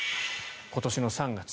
今年の３月。